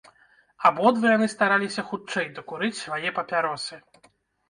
Абодва яны стараліся хутчэй дакурыць свае папяросы.